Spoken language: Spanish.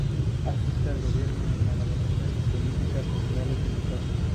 Asiste al gobierno en la elaboración de políticas generales del estado.